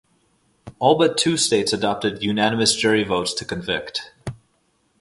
All but two states adopted unanimous jury votes to convict.